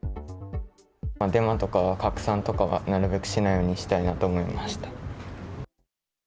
デマとか拡散とかは、なるべくしないようにしたいなと思いました。